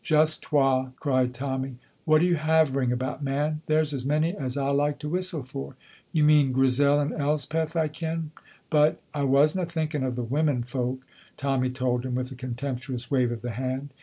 "Just twa!" cried Tommy. "What are you havering about, man? There's as many as I like to whistle for." "You mean Grizel and Elspeth, I ken, but " "I wasna thinking of the womenfolk," Tommy told him, with a contemptuous wave of the hand.